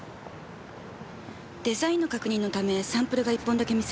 デザインの確認のためサンプルが１本だけ店に。